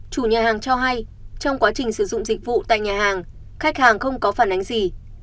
chủ nhà hàng cho hay trong quá trình sử dụng dịch vụ tại nhà hàng khách hàng không có phản ánh gì